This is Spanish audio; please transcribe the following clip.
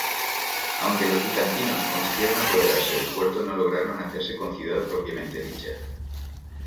Aunque los bizantinos consiguieron apoderarse del puerto, no lograron hacerse con ciudad propiamente dicha.